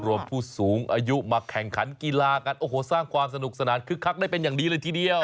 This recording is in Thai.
ผู้สูงอายุมาแข่งขันกีฬากันโอ้โหสร้างความสนุกสนานคึกคักได้เป็นอย่างดีเลยทีเดียว